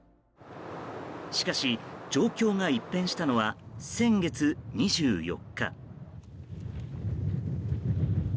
しかし、状況が一変したのは先月２４日。